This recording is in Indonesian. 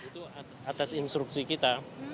itu atas instruksi kita